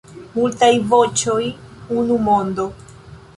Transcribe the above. Multaj voĉoj, unu mondo.